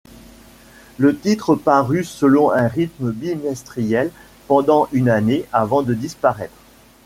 Le titre parut selon un rythme bimestriel pendant une année avant de disparaître.